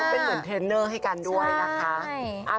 และเป็นเทรนเนอร์ให้กันด้วยนะคะ